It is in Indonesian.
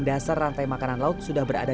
dasar rantai makanan laut sudah berada